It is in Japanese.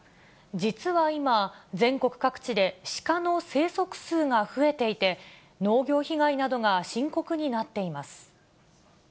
実は今、全国各地でシカの生息数が増えていて、農業被害などが深刻になっています。